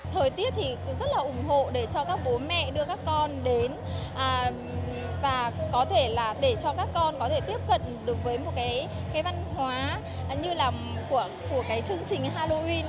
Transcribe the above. thời tiết thì rất là ủng hộ để cho các bố mẹ đưa các con đến và có thể là để cho các con có thể tiếp cận được với một cái văn hóa như là của cái chương trình halloween